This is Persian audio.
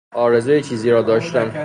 آرزوی چیزی را داشتن